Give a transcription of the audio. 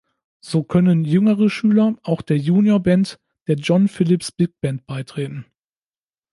So können jüngere Schüler auch der Junior Band der John Philipps Big Band beitreten.